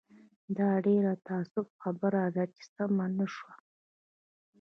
دا ډېر د تاسف خبره ده چې سمه نه شوه.